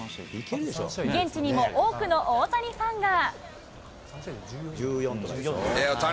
現地にも多くの大谷ファンが。